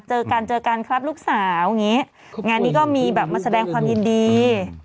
เจอกันครับลูกสาวงี้งานนี้ก็มีแบบมาแสดงความยินดี